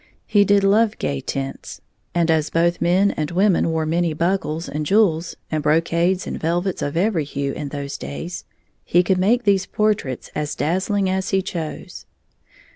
He did love gay tints, and as both men and women wore many buckles and jewels, and brocades and velvets of every hue in those days, he could make these portraits as dazzling as he chose.